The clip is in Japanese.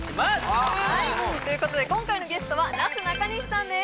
はいということで今回のゲストはなすなかにしさんです